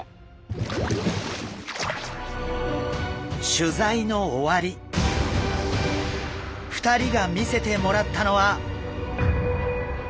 取材の終わり２人が見せてもらったのは。